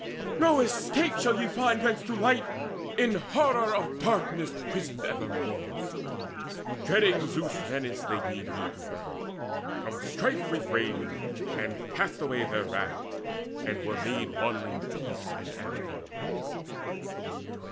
No escape shall ye find thence to light, In horror of darkness prisoned evermore." Dreading Zeus' menace gave they heed to her, From strife refrained, and cast away their wrath, And were made one in peace and amity.